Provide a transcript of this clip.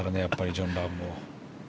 ジョン・ラームは。